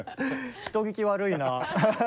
人聞き悪いな。